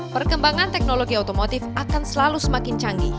perkembangan teknologi otomotif akan selalu semakin canggih